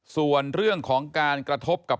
ส่วนเรื่องของการกระทบกับ